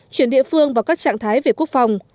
chuyển địa phương vào các trạng thái về quốc phòng